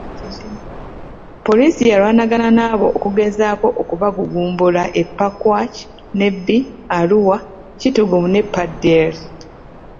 Poliisi yalwanagana nabo okugezaako okubagumbulula e Pakwach, Nebbi, Arua, Kitgum ne Pader.